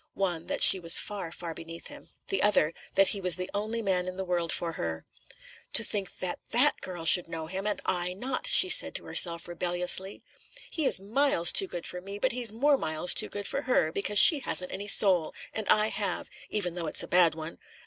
One, that she was far, far beneath him; the other, that he was the only man in the world for her. "To think that that girl should know him, and I not!" she said to herself rebelliously. "He is miles too good for me, but he's more miles too good for her, because she hasn't any soul, and I have, even though it's a bad one.